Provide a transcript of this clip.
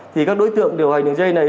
thì các đối tượng điều hành đường dây này